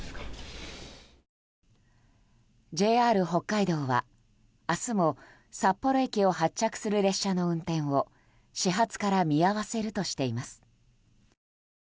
ＪＲ北海道は明日も札幌駅を発着する列車の運転を始発から運休するとしています。